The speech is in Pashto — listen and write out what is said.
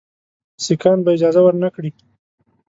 سیکهان به اجازه ورنه کړي.